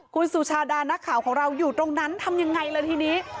คุณสุชาดานักข่าวของเราอยู่ตรงนั้นทำยังไงเลยทีนี้